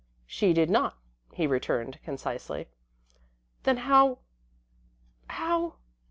"She did not," he returned, concisely. "Then how how